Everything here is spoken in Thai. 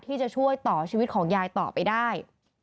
ที่จะช่วยต่อชีวิตของยายต่อไปได้